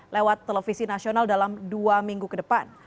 lewat televisi nasional dalam dua minggu ke depan